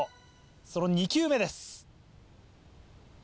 その２球目です。